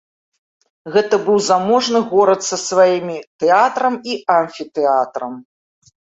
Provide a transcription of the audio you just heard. Гэта быў заможны горад са сваімі тэатрам і амфітэатрам.